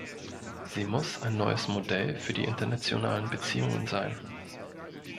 Sie muss ein neues Modell für die internationalen Beziehungen sein.